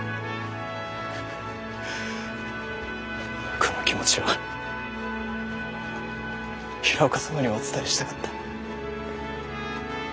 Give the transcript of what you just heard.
この気持ちを平岡様にお伝えしたかった。